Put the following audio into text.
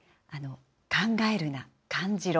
考えるな、感じろ。